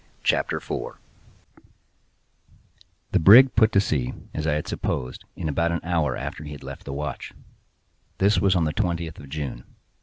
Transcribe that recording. CHAPTER 4 The brig put to sea, as I had supposed, in about an hour after he had left the watch. This was on the twentieth of June.